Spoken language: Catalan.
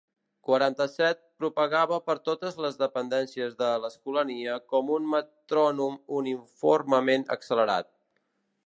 Quaranta-set propagava per totes les dependències de l'Escolania com un metrònom uniformement accelerat.